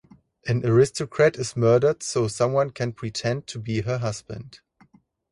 An aristocrat is murdered so someone can pretend to be her husband.